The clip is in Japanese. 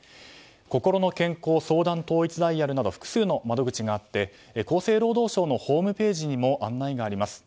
こころの健康相談統一ダイヤルなど複数の窓口があって厚生労働省のホームページにも案内があります。